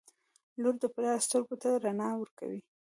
• لور د پلار سترګو ته رڼا ورکوي.